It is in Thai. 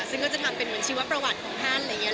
ซึ่งก็จะทำเป็นหนวดชีวประวัติของท่านอย่างนี้